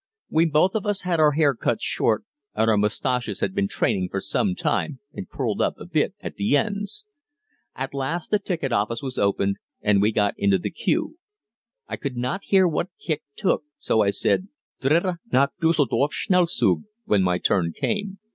We both of us had our hair cut short, and our moustaches had been training for some time and curled up a bit at the ends. At last the ticket office was opened and we got into the queue. I could not hear what ticket Kicq took, so I said, "Dritte nach Düsseldorf Schnellzug" when my turn came.